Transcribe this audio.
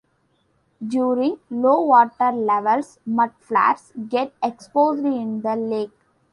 During low water levels mudflats get exposed in the lake.